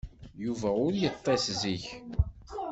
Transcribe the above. Yuba ur yeṭṭis zik.